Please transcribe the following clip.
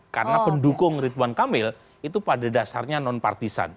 karena pendukung ridwan kamil itu pada dasarnya non partisan